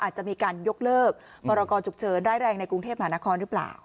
จะมีการยกเลิกบรรกจุเจิญได้แรงในกรุงเทพฯมหานครหรือเปล่า